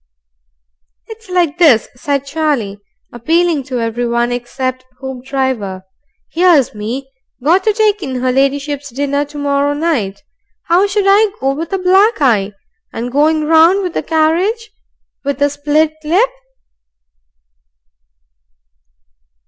"It's like this," said Charlie, appealing to everyone except Hoopdriver. "Here's me, got to take in her ladyship's dinner to morrow night. How should I look with a black eye? And going round with the carriage with a split lip?"